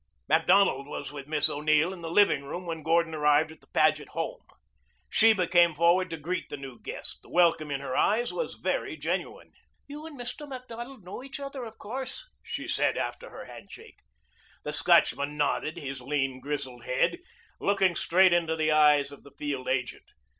Macdonald was with Miss O'Neill in the living room when Gordon arrived at the Paget home. Sheba came forward to greet the new guest. The welcome in her eyes was very genuine. "You and Mr. Macdonald know each other, of course," she said after her handshake. The Scotchman nodded his lean, grizzled head, looking straight into the eyes of the field agent.